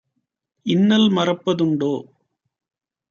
இன்னல் மறப்ப துண்டோ?"